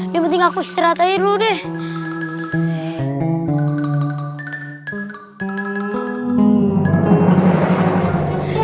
yang penting aku istirahat aja dulu deh